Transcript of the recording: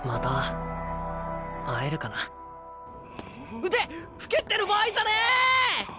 うう。ってふけってる場合じゃねぇ！